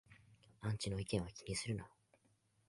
アンチの意見は気にするな